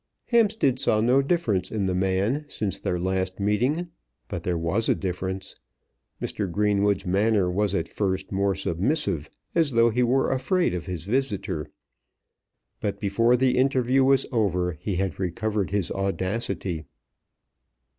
Hampstead saw no difference in the man since their last meeting, but there was a difference. Mr. Greenwood's manner was at first more submissive, as though he were afraid of his visitor; but before the interview was over he had recovered his audacity.